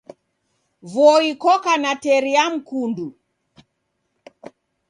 Voi koka na teri ya mkundu.